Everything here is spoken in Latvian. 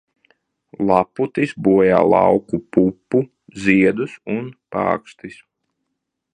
Laputis bojā lauka pupu ziedus un pākstis.